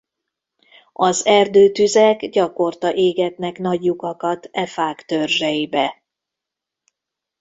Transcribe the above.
Az erdőtüzek gyakorta égetnek nagy lyukakat e fák törzseibe.